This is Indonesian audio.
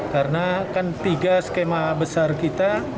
karena kan tiga skema besar kita